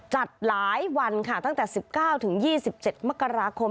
จัดหลายวันค่ะตั้งแต่๑๙๒๗มกราคม